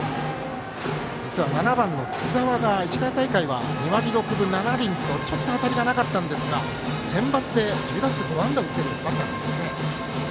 ７番の津澤が石川大会は２割６分７厘とちょっと当たりがなかったんですがセンバツで１０打数５安打を打っているバッターなんですね。